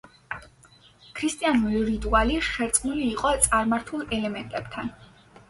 ქრისტიანული რიტუალი შერწყმული იყო წარმართულ ელემენტებთან.